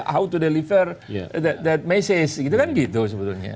how to deliver that message gitu kan gitu sebetulnya